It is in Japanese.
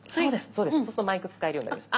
そうするとマイク使えるようになりました。